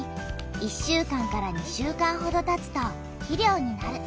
１週間２週間ほどたつと肥料になる。